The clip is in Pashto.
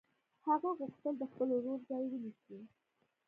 هغه غوښتل د خپل ورور ځای ونیسي